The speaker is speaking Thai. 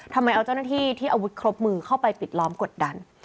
ทำไมเอาเจ้าหน้าที่ที่อาวุธครบมือเข้าไปปิดล้อมกดดัน